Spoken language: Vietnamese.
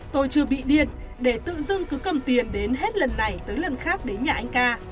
tôi chưa bị điện để tự dưng cứ cầm tiền đến hết lần này tới lần khác đến nhà anh ca